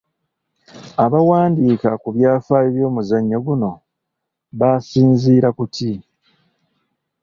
Abawandiika ku byafaayo by’omuzannyo guno basinziira ku ki?